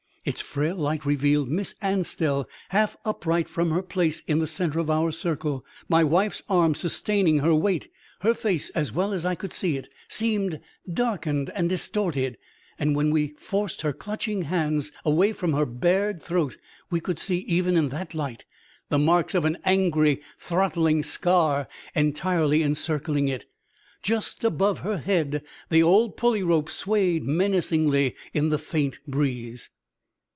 Its frail light revealed Miss Anstell half upright from her place in the center of our circle, my wife's arms sustaining her weight. Her face, as well as I could see it, seemed darkened and distorted, and when we forced her clutching hands away from her bared throat we could see, even in that light, the marks of an angry, throttling scar entirely encircling it. Just above her head the old pulley rope swayed menacingly in the faint breeze.